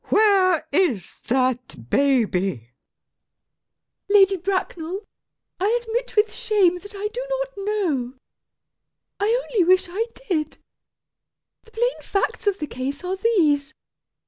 Where is that baby? [A pause.] MISS PRISM. Lady Bracknell, I admit with shame that I do not know. I only wish I did. The plain facts of the case are these.